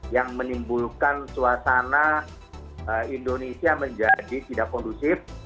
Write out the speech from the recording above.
yang menimbulkan suasana indonesia menjadi tidak kondusif